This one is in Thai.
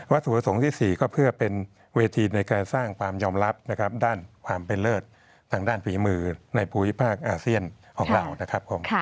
ถุประสงค์ที่๔ก็เพื่อเป็นเวทีในการสร้างความยอมรับนะครับด้านความเป็นเลิศทางด้านฝีมือในภูมิภาคอาเซียนของเรานะครับ